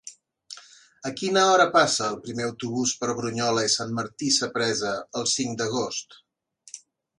A quina hora passa el primer autobús per Brunyola i Sant Martí Sapresa el cinc d'agost?